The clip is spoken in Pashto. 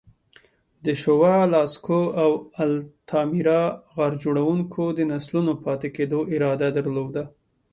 د شووه، لاسکو او التامیرا غار جوړونکو د نسلونو پاتې کېدو اراده درلوده.